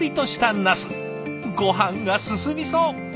ごはんが進みそう！